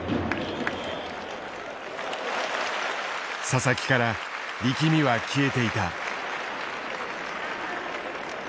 佐々木から力みは消えていた。